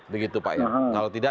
begitu pak kalau tidak